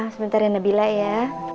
sebentar ya nabila ya